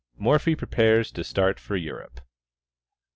MORPHY PREPARES TO START FOR EUROPE.